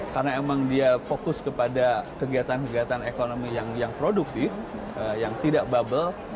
karena emang dia fokus kepada kegiatan kegiatan ekonomi yang produktif yang tidak bubble